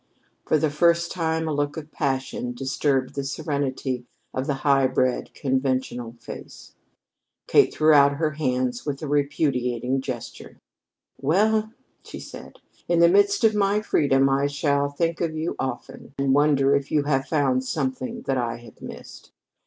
For the first time a look of passion disturbed the serenity of the high bred, conventional face. Kate threw out her hands with a repudiating gesture. "Well," she said, "in the midst of my freedom I shall think of you often and wonder if you have found something that I have missed.